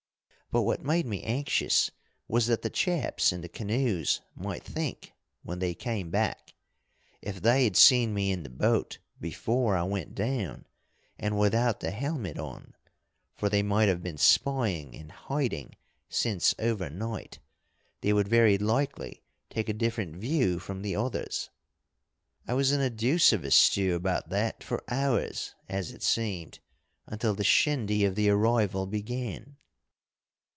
"But what made me anxious was what the chaps in the canoes might think when they came back. If they'd seen me in the boat before I went down, and without the helmet on for they might have been spying and hiding since over night they would very likely take a different view from the others. I was in a deuce of a stew about that for hours, as it seemed, until the shindy of the arrival began.